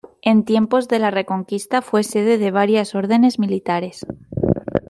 En tiempos de la Reconquista fue sede de varias órdenes militares.